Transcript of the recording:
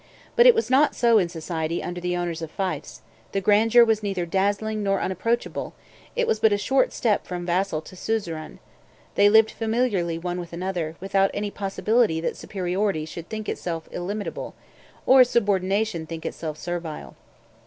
But it was not so in society under owners of fiefs: the grandeur was neither dazzling nor unapproachable; it was but a short step from vassal to suzerain; they lived familiarly one with another, without any possibility that superiority should think itself illimitable, or subordination think itself servile.